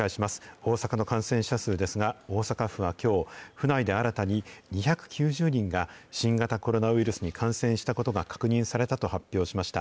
大阪の感染者数ですが、大阪府はきょう、府内で新たに２９０人が、新型コロナウイルスに感染したことが確認されたと発表しました。